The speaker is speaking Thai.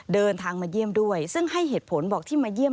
เดินทางมาเยี่ยมด้วยซึ่งให้เหตุผลบอกที่มาเยี่ยม